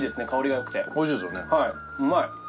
香りが良くて。